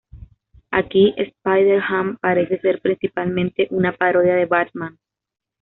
Aquí, Spider-Ham parece ser principalmente una parodia de Batman.